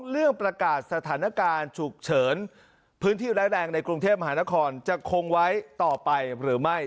เรื่องประกาศสถานการณ์ฉุกเฉินพื้นที่ร้ายแรงในกรุงเทพมหานครจะคงไว้ต่อไปหรือไม่